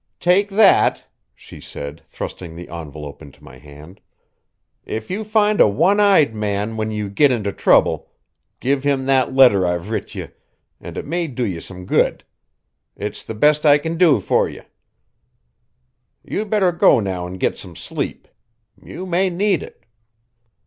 "Take that," she said, thrusting the envelope into my hand. "If you find a one eyed man when you git into trouble, give him that letter I've writ ye, and it may do ye some good. It's the best I can do fer ye. You'd better go now and git some sleep. You may need it."